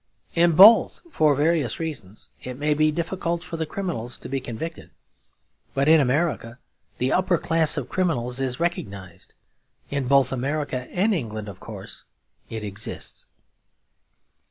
In both, for various reasons, it may be difficult for the criminals to be convicted; but in America the upper class of criminals is recognised. In both America and England, of course, it exists.